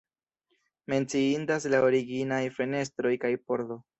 Menciindas la originaj fenestroj kaj pordo.